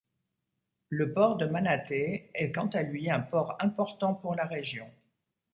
Le port de Manatee est quant à lui un port important pour la région.